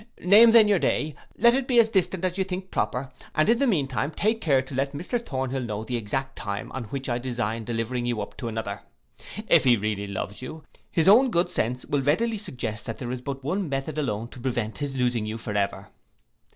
Name then your day, let it be as distant as you think proper, and in the mean time take care to let Mr Thornhill know the exact time on which I design delivering you up to another. If he really loves you, his own good sense will readily suggest that there is but one method alone to prevent his losing you forever.